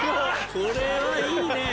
これはいいね。